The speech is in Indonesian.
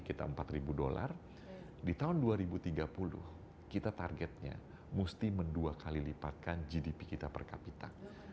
kita empat ribu dolar di tahun dua ribu tiga puluh kita targetnya mesti mendua kali lipatkan gdp kita per kapita